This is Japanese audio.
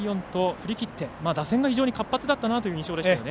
振り切って、打線が非常に活発な印象でしたね。